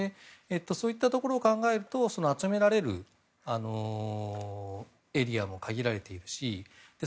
そういったところを考えると集められるエリアも限られているし